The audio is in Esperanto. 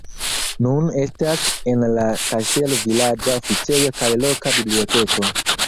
Nun estas en la kastelo vilaĝa oficejo kaj loka biblioteko.